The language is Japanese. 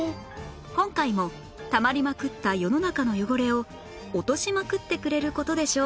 今回もたまりまくった世の中の汚れを落としまくってくれる事でしょう